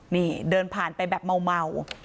นี่เดินผ่านไปแบบเมา